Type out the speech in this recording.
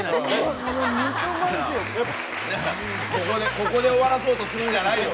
ここで終わらそうとするんじ